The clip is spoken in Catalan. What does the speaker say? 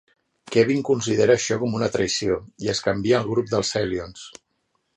Kevin considera això com una traïció, i es canvia al grup dels Hellions.